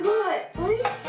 「おいしそう」。